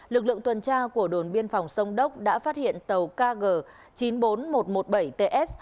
lực lượng tuần tra của đồn biên phòng sông đốc đã phát hiện tàu kg chín mươi bốn nghìn một trăm một mươi bảy ts